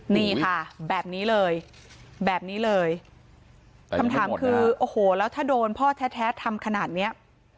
นี่ค่ะแบบนี้เลยแบบนี้เลยคำถามคือโอ้โหแล้วถ้าโดนพ่อแท้ทำขนาดเนี้ย